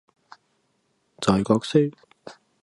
在学生